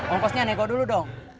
ongkosnya nego dulu dong